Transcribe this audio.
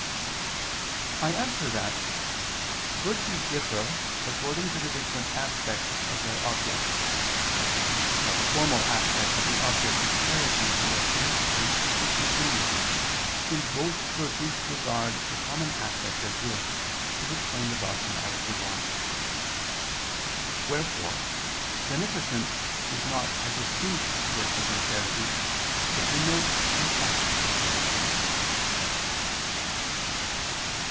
I answer that, Virtues differ according to the different aspects of their objects. Now the formal aspect of the object of charity and of beneficence is the same, since both virtues regard the common aspect of good, as explained above (A. 1). Wherefore beneficence is not a distinct virtue from charity, but denotes an act of charity.